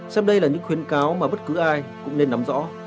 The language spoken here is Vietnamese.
xem đây là những khuyến cáo mà bất cứ ai cũng nên nắm rõ